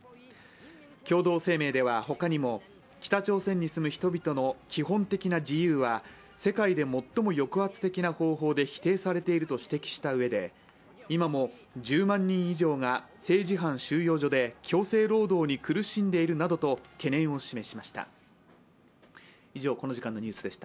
共同声明ではほかにも、北朝鮮に住む人々の基本的な自由は世界で最も抑圧的な方法で否定されていると指摘したうえで今も１０万人以上が政治犯収容所で強制労働に苦しんでいるなどと懸念を示しました。